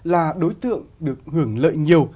là đối tượng được hưởng lợi nhiều